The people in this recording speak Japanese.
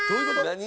何？